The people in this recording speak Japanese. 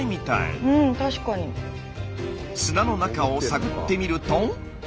砂の中を探ってみると。